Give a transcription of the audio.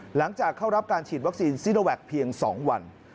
หลังจากเข้ารับการฉีดวัคซีนซีโนแวคเพียง๒วัน